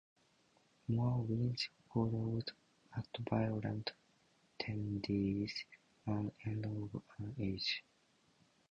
More wins followed at "Violent Tendencies" and "End of an Age".